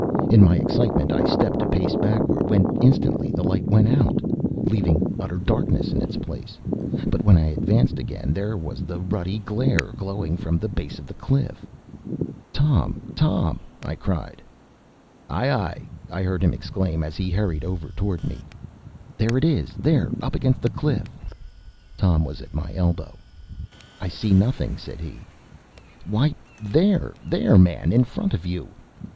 In my excitement I stepped a pace backward, when instantly the light went out, leaving utter darkness in its place; but when I advanced again, there was the ruddy glare glowing from the base of the cliff. “Tom, Tom!” I cried. “Ay, ay!” I heard him exclaim, as he hurried over toward me. “There it is there, up against the cliff!” Tom was at my elbow. “I see nothing,” said he. “Why, there, there, man, in front of you!